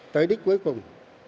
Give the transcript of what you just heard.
tới đích cuối cùng